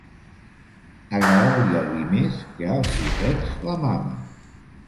Agradar-li el vi més que als xiquets la mama.